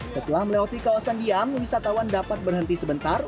setelah melewati kawasan diam wisatawan dapat berhenti sebentar